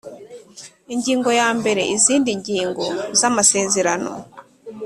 Ingingo ya mbere Izindi ngingo z amasezerano